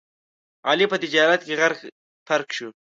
علي په تجارت کې غرق پرق شو.